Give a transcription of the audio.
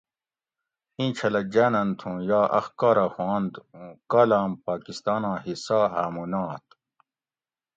ایں چھلہ جانن تھوں یا اخکارہ ہوانت اوں کالام پاکستاناں حصّہ ہامو نات